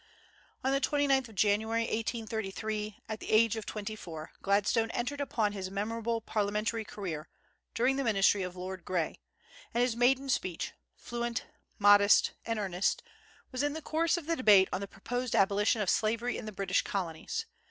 On the 29th of January, 1833, at the age of twenty four, Gladstone entered upon his memorable parliamentary career, during the ministry of Lord Grey; and his maiden speech fluent, modest, and earnest was in the course of the debate on the proposed abolition of slavery in the British colonies.